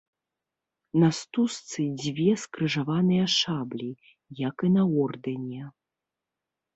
На стужцы дзве скрыжаваныя шаблі, як і на ордэне.